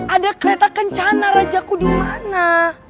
ada kereta kencana rajaku dimana